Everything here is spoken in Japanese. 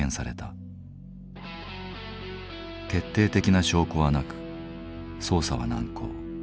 決定的な証拠はなく捜査は難航。